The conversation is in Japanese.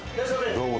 どうも。